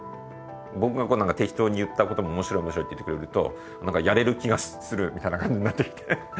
僕がこう適当に言ったことも面白い面白いって言ってくれるとなんかやれる気がするみたいな感じになってきて。